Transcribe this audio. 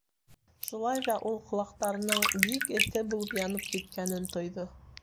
Шулай ҙа ул ҡолаҡтарының бик эҫе булып янып киткәнен тойҙо.